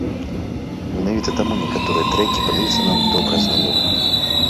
Менавіта таму некаторыя трэкі падаюцца нам добра знаёмымі.